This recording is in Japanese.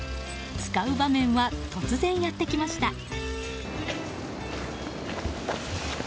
使う場面は突然やってきました。